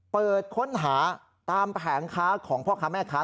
เปิดค้นหาตามแผงค้าของพ่อค้าแม่ค้า